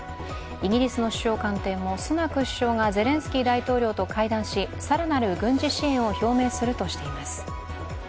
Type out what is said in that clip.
イギリスの首相官邸もスナク首相がゼレンスキー大統領と会談し更なる軍事支援を表明するとしています。